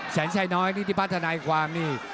แสนชัยน้อยนิติพัฒนาความนี่